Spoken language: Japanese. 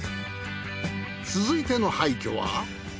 続いての廃墟は。